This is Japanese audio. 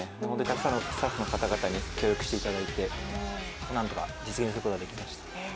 本当にたくさんのスタッフの方に協力していただいて、なんとか実現することができました。